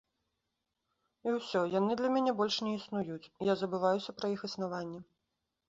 І ўсё, яны для мяне больш не існуюць, я забываюся пра іх існаванне.